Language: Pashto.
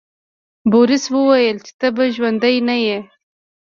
بوریس وویل چې ته به ژوندی نه یې.